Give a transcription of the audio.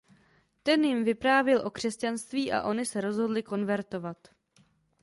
Ten jim vyprávěl o křesťanství a ony se rozhodly konvertovat.